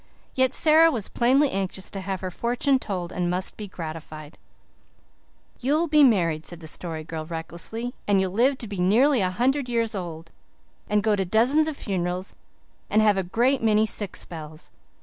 Yet Sara was plainly anxious to have her fortune told and must be gratified. "You'll be married," said the Story Girl recklessly, "and you'll live to be nearly a hundred years old, and go to dozens of funerals and have a great many sick spells.